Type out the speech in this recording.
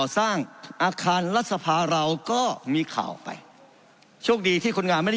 สร้างอาคารรัฐสภาเราก็มีข่าวไปโชคดีที่คนงานไม่ได้